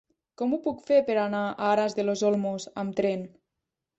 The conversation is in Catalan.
Com ho puc fer per anar a Aras de los Olmos amb tren?